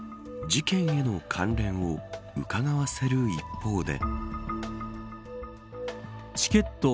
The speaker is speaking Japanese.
事件への関連をうかがわせる一方で。